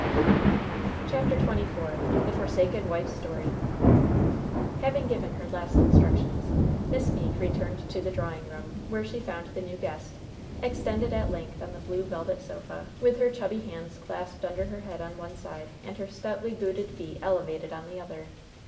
CHAPTER XXIV THE FORSAKEN WIFE'S STORY Having given her last instructions, Miss Meeke returned to the drawing room, where she found the new guest, extended at length on the blue, velvet sofa, with her chubby hands clasped under her head on one end and her stoutly booted feet elevated on the other.